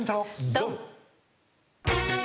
ドン！